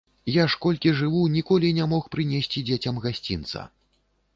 Я ж, колькі жыву, ніколі не мог прынесці дзецям гасцінца.